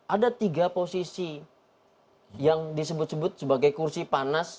ada tiga posisi yang disebut sebut sebagai kursi panas